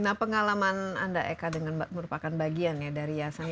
nah pengalaman anda eka dengan mbak merupakan bagian ya dari yasani